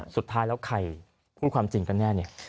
สุดท้ายแล้วใครพูดความจริงกันแน่เนี่ย